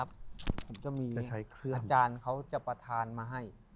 ผมจะมีอาจารย์เขาจะประธานมาให้